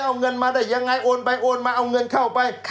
เอาเงินมาได้ยังไงโอนไปโอนมาเอาเงินเข้าไป